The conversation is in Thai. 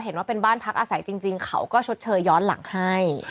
เห็นว่าเป็นบ้านพักอาศัยจริงเขาก็ชดเชยย้อนหลังให้